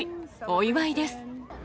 お祝いです。